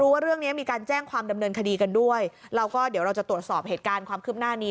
ว่าเรื่องเนี้ยมีการแจ้งความดำเนินคดีกันด้วยเราก็เดี๋ยวเราจะตรวจสอบเหตุการณ์ความคืบหน้านี้